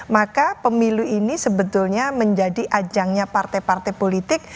maka pemilu ini sebetulnya menjadi ajangnya partai partai politik